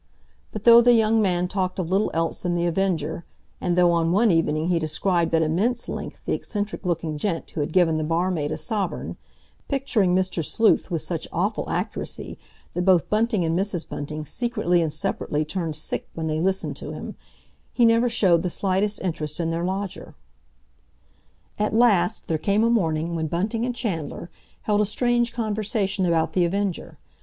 But though the young man talked of little else than The Avenger, and though on one evening he described at immense length the eccentric looking gent who had given the barmaid a sovereign, picturing Mr. Sleuth with such awful accuracy that both Bunting and Mrs. Bunting secretly and separately turned sick when they listened to him, he never showed the slightest interest in their lodger. At last there came a morning when Bunting and Chandler held a strange conversation about The Avenger.